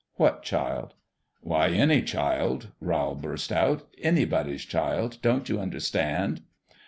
"What child?" " Why, any child !" Rowl burst out. " Any body's child ! Don't you understand